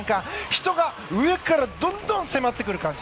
人が上からどんどん迫ってくる感じ。